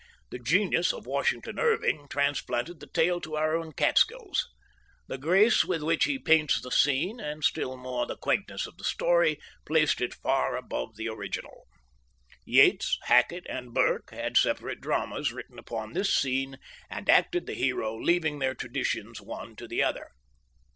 The genius of Washington Irving transplanted the tale to our own Catskills. The grace with which he paints the scene, and, still more, the quaintness of the story, placed it far above the original. Yates, Hackett, and Burke had separate dramas written upon this scene and acted the hero, leaving their traditions one to the other.